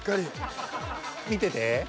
見てて。